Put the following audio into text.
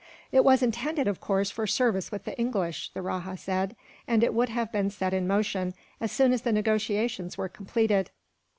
"It was intended, of course, for service with the English," the rajah said, "and it would have been set in motion, as soon as the negotiations were completed."